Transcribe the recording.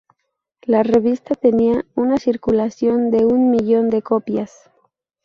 La revista tenía una circulación de un millón de copias.